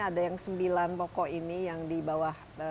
ada yang sembilan pokok ini yang di bawah